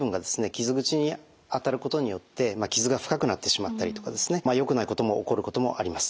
傷口に当たることによって傷が深くなってしまったりとかですねよくないことも起こることもあります。